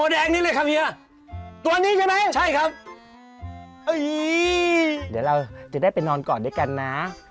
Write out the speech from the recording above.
เดี๋ยวเราจะได้ไปนอนก่อนด้วยกันนะ